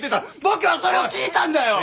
僕はそれを聞いたんだよ！